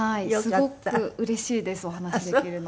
すごくうれしいですお話しできるの。